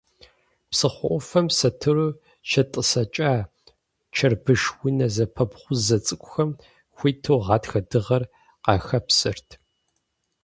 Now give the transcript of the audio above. Псыхъуэ ӏуфэм сэтыру щетӏысэкӏа, чэрбыш унэ зэпэбгъузэ цӏыкӏухэм, хуиту гъатхэ дыгъэр къахэпсэрт.